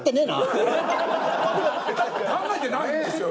考えてないんですよ。